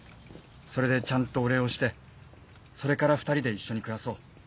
それでちゃんとお礼をしてそれから２人で一緒に暮らそう。